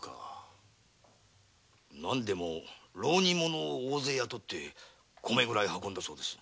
浪人者を大勢雇って米蔵へ運んだそうです。